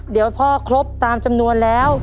เดี๋ยวพอครบตามจำนวนแล้ว